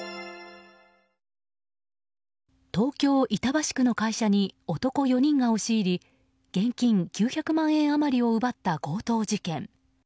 東京・板橋区の会社に男４人が押し入り現金９００万円余りを奪った強盗事件。